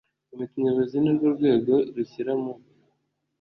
komite nyobozi ni rwo rwego rushyira mu